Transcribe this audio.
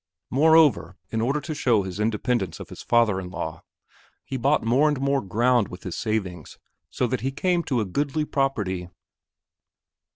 Moreover, in order to show his independence of his father in law, he bought more and more ground with his savings so that he came to own a goodly property.